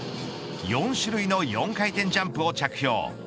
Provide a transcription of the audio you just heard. ４種類の４回転ジャンプを着氷。